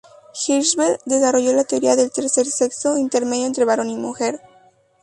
Hirschfeld desarrolló la teoría del "tercer sexo", intermedio entre varón y mujer.